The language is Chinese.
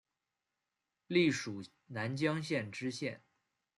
历署南江县知县。